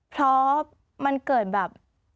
เพราะมันเกิดแบบ